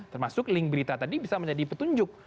termasuk link berita tadi bisa menjadi petunjuk